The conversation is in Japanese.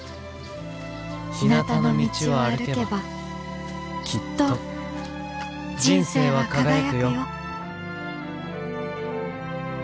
ひなたの道を歩けばきっと人生は輝くよ」。